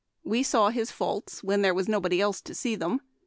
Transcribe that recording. We saw his faults when there was no body else to see them.